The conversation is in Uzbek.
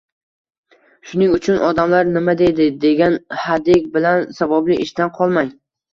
Shuning uchun “Odamlar nima deydi?” degan hadik bilan savobli ishdan qolmang.